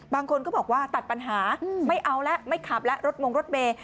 บางคนก็บอกว่าตัดปัญหาไม่เอาแล้วไม่ขับแล้วรถมงรถเมย์